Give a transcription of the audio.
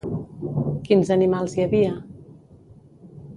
Quins animals hi havia?